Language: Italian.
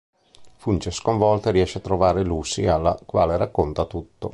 Fugge sconvolta e riesce a trovare Lucy alla quale racconta tutto.